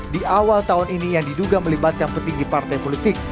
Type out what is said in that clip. di awal tahun ini yang diduga melibatkan petinggi partai politik